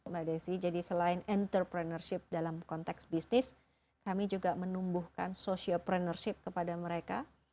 mbak desi jadi selain entrepreneurship dalam konteks bisnis kami juga menumbuhkan social plannership kepada mereka